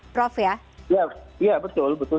prof ya ya betul